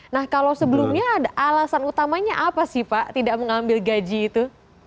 nah kalau sebelumnya ada alasan utamanya apa sih pak tidak mengambil gaji itu